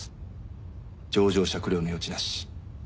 情状酌量の余地なし。